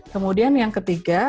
kemudian yang ketiga